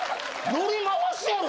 乗り回すやろ！